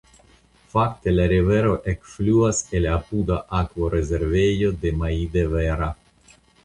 Fakte la rivero ekfluas el apuda akvorezervejo de Maidevera.